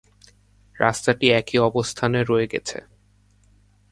রাস্তাটি একই অবস্থানে রয়ে গেছে।